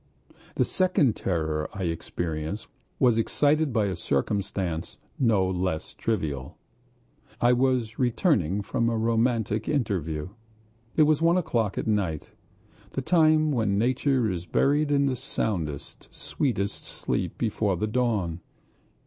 The second terror I experienced was excited by a circumstance no less trivial.... I was returning from a romantic interview. It was one o'clock at night, the time when nature is buried in the soundest, sweetest sleep before the dawn.